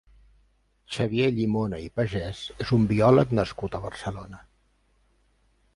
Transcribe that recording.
Xavier Llimona i Pagès és un biòleg nascut a Barcelona.